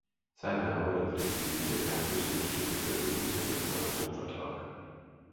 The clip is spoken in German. Seine Arbeit auf dem Gebiet der Kernfusion steht in Verbindung mit dem Euratom-Vertrag.